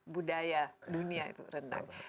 budaya dunia itu rendang